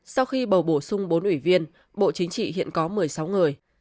sau khi bầu bổ sung bốn ủy viên bộ chính trị hiện có một mươi sáu người